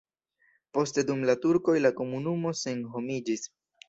Poste dum la turkoj la komunumo senhomiĝis.